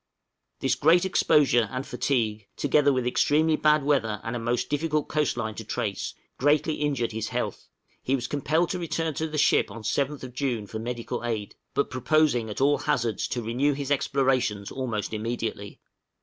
This great exposure and fatigue, together with extremely bad weather, and a most difficult coast line to trace, greatly injured his health; he was compelled to return to the ship on 7th June for medical aid, but proposing at all hazards to renew his explorations almost immediately.